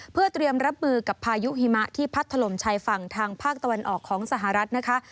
เพื่อเตรียมรับมือกับพายุหิมะที่พัดถล่มชายฝั่งทางภาคตะวันออกของสหรัฐนะคะ